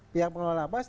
pihak pengelola lapas